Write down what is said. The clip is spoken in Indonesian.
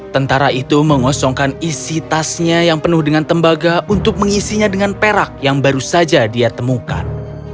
tentara itu mengosongkan isi tasnya yang penuh dengan tembaga untuk mengisinya dengan perak yang baru saja dia temukan